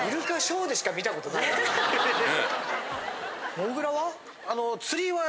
もぐらは？